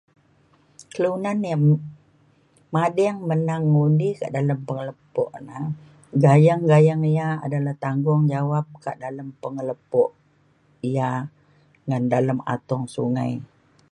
kelunan ya mading menang undi ke dalem pengelepok na gayeng gayeng ya adalah tanggungjawab ka dalem pengelepok ia ngan dalem atung sungai.